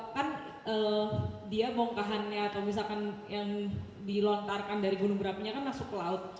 kan dia bongkahannya atau misalkan yang dilontarkan dari gunung berapinya kan masuk ke laut